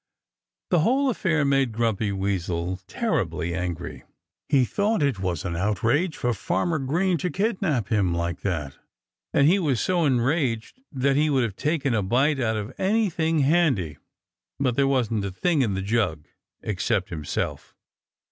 The whole affair made Grumpy Weasel terribly angry. He thought it was an outrage for Farmer Green to kidnap him like that. And he was so enraged that he would have taken a bite out of anything handy. But there wasn't a thing in the jug except himself.